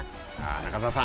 中澤さん